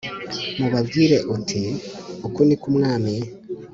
m ubabwire uti uku ni ko umwami